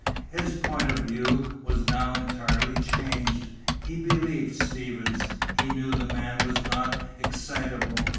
His point of view was now entirely changed. He believed Stevens. He knew the man was not excitable.